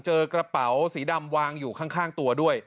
เจอกระเป๋าสีดำวางอยู่ข้างตัวด้วย